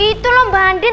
itu loh mbak andin